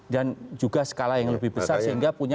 dan juga skala yang lebih besar sehingga punya